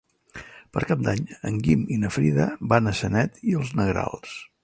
Per Cap d'Any en Guim i na Frida van a Sanet i els Negrals.